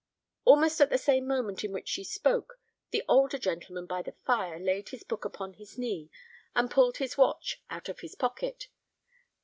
Almost at the same moment in which she spoke, the older gentleman by the fire laid his book upon his knee, and pulled his watch out of his pocket.